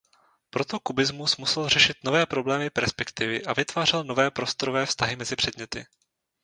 Proto kubismus musel řešit nové problémy perspektivy a vytvářel nové prostorové vztahy mezi předměty.